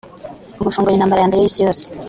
Mu gufungura intambara ya mbere y’isi yose